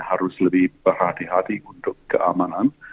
harus lebih berhati hati untuk keamanan